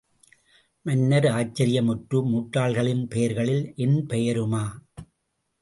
மன்னன் ஆச்சரியமுற்று முட்டாள்களின் பெயர்களில் என் பெயருமா?